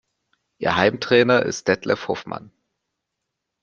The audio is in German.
Ihr Heimtrainer ist Detlef Hofmann.